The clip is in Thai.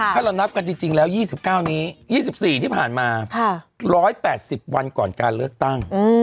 ถ้าเรานับกันจริงแล้ว๒๙นี้๒๔ที่ผ่านมา๑๘๐วันก่อนการเลือกตั้ง